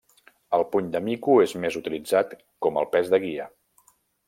El puny de mico és més utilitzat com el pes de guia.